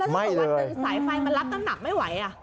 ไม่เลยสายไฟมันรับตั้งหนักไม่ไหว